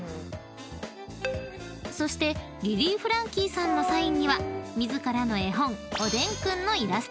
［そしてリリー・フランキーさんのサインには自らの絵本『おでんくん』のイラストが］